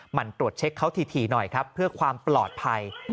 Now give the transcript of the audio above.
มันตรวจเช็คเขาถี่หน่อยครับเพื่อความปลอดภัย